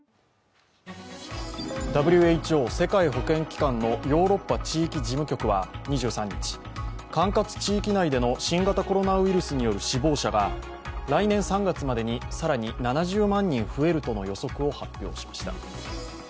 ＷＨＯ＝世界保健機関のヨーロッパ地域事務局は、管轄地域内での新型コロナウイルスによる死亡者が来年３月までに更に７０万人増えるとの予測を発表しました。